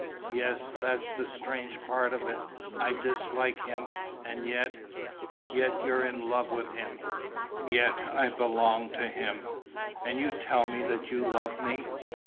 "Yes, that's the strange part of it. I dislike him ... and yet...." "Yet you're in love with him!" "Yet I belong to him." "And you tell me that you love me!"